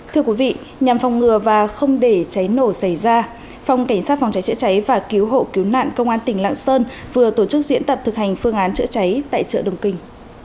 thưa quý vị nhằm phòng ngừa và không để cháy nổ xảy ra phòng cảnh sát phòng cháy chữa cháy và cứu hộ cứu nạn công an tỉnh lạng sơn vừa tổ chức diễn tập thực hành phương án chữa cháy tại chợ đồng kinh